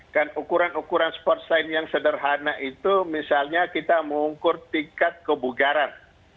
kan ukuran ukuran sport sign yang sederhana itu misalnya kita mengukur tingkat kebugaran